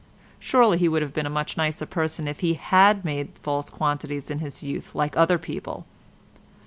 Surely he would have been a much nicer person if he had made false quantities in his youth like other people.